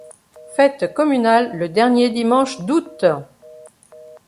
Fête communale le dernier dimanche d'août.